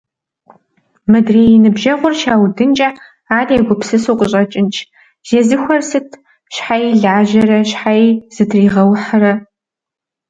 Мыдрей и ныбжьэгъур щаудынкӏэ, ар егупсысу къыщӏэкӏынщ: «Зезыхуэр сыт… Щхьэи лажьэрэ, щхьэи зытригъэухьрэ!».